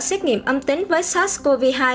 xét nghiệm âm tính với sars cov hai